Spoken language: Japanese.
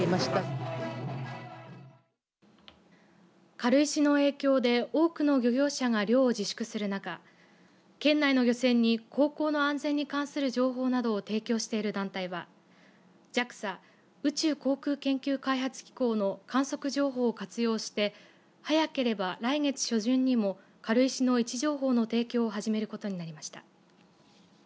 軽石の影響で多くの漁業者が漁を自粛する中県内の漁船に航行の安全に関する情報などを提供している団体はＪＡＸＡ宇宙航空研究開発機構の観測情報を活用して、早ければ来月初旬にも軽石の位置情報の提供を始めることになりました。